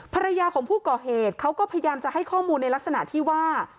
ภรรยาของผู้ก่อเหตุเขาก็พยายามจะให้ข้อมูลในลักษณะที่ว่า